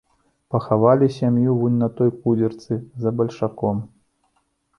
Пахавалі сям'ю вунь на той кудзерцы за бальшаком.